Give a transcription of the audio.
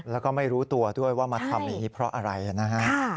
แล้วก็ไม่รู้ตัวด้วยว่ามาทำอย่างนี้เพราะอะไรนะฮะ